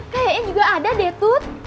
kayaknya juga ada deh tuh